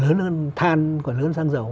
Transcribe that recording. lớn hơn than còn lớn hơn xăng dầu